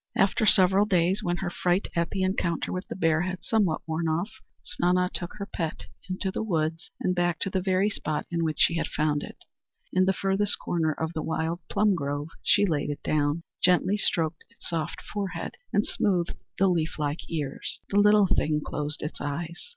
After several days, when her fright at the encounter with the bear had somewhat worn off, Snana took her pet into the woods and back to the very spot in which she had found it. In the furthest corner of the wild plum grove she laid it down, gently stroked its soft forehead, and smoothed the leaf like ears. The little thing closed its eyes.